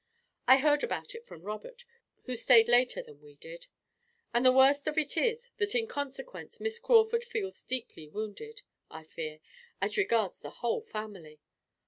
I heard about it from Robert, who stayed later than we did. And the worst of it is, that in consequence Miss Crawford feels deeply wounded, I fear, as regards the whole family."